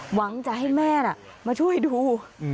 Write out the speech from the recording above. หวังจะให้แม่มาช่วยดู